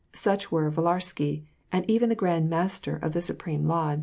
Such were VUlarskjr, and even the Gi and Master of the Supreme Lodge.